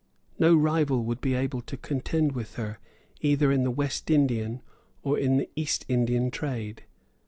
No rival would be able to contend with her either in the West Indian or in the East Indian trade.